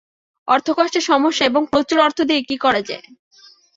অর্থকষ্টের সমস্যা এবং প্রচুর অর্থ দিয়ে কী করা যায়।